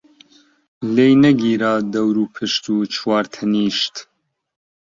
لێی نەگیرا دەوروپشت و چوار تەنیشت،